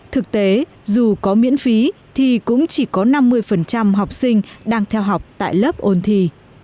thực tế dù có miễn phí thì cũng chỉ có năm mươi học sinh đang theo học tại lớp ôn thi